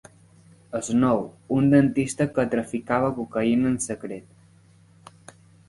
Snow, un dentista que traficava cocaïna en secret.